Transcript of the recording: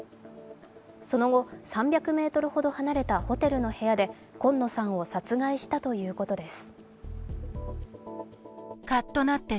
その後、３００ｍほど離れたホテルの部屋で今野さんを殺害したということです。